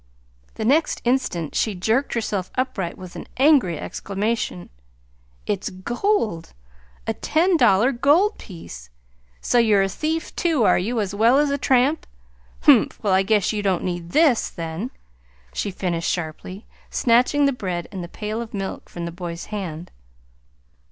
The next instant she jerked herself upright with an angry exclamation. "It's gold! A ten dollar gold piece! So you're a thief, too, are you, as well as a tramp? Humph! Well, I guess you don't need this then," she finished sharply, snatching the bread and the pail of milk from the boy's hand.